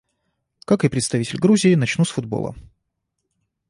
Как и представитель Грузии, начну с футбола.